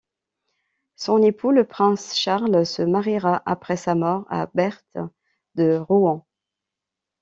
Son époux, le prince Charles se mariera après sa mort à Berthe de Rohan.